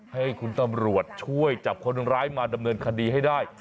ให้คุณตำรวจช่วยจับคนร้ายมาดำเนินคดีให้ได้